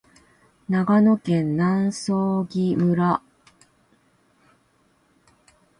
長野県南相木村